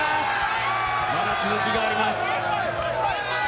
まだ続きがあります。